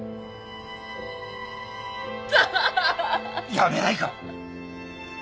やめないか！